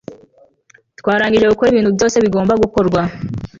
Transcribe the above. Twarangije gukora ibintu byose bigomba gukorwa